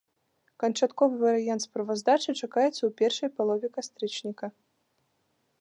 Канчатковы варыянт справаздачы чакаецца ў першай палове кастрычніка.